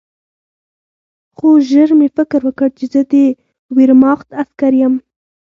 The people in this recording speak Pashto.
خو ژر مې فکر وکړ چې زه د ویرماخت عسکر یم